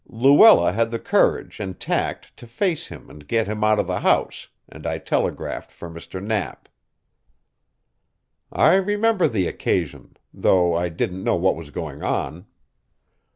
Luella had the courage and tact to face him and get him out of the house, and I telegraphed for Mr. Knapp." "I remember the occasion, though I didn't know what was going on."